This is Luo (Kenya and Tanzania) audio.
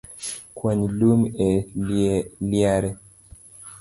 Kwany lum e liare